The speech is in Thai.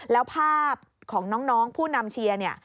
แล้วภาพของน้องผู้นำเชียร์เนี่ย